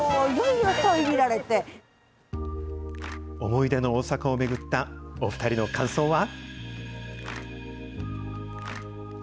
思い出の大阪を巡ったお２人の感想は？